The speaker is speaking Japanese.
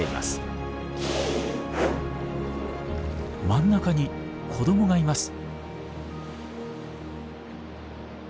真ん中に子供がいます。